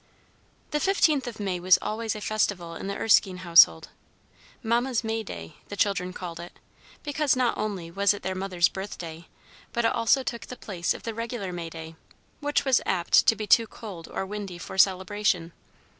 The fifteenth of May was always a festival in the Erskine household. "Mamma's May Day," the children called it, because not only was it their mother's birthday, but it also took the place of the regular May Day, which was apt to be too cold or windy for celebration.